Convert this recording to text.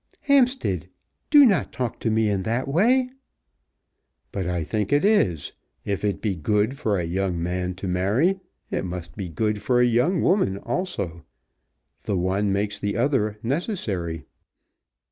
"Hampstead, do not talk to me in that way." "But I think it is. If it be good for a young man to marry it must be good for a young woman also. The one makes the other necessary."